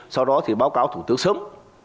sau đó thì báo cáo thủ tướng sớm